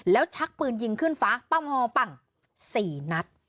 แล้วชักปืนยิงขึ้นฟ้าปั้งฮอปั้ง๔นัด